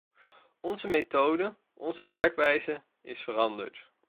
Onze methode, onze werkwijze is veranderd.